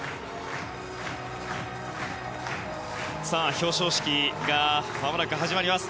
表彰式がまもなく始まります。